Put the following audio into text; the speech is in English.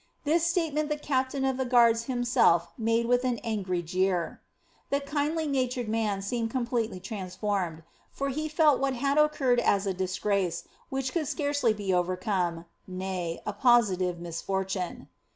This statement the captain of the guards himself made with an angry jeer. The kindly natured man seemed completely transformed, for he felt what had occurred as a disgrace which could scarcely be overcome, nay, a positive misfortune.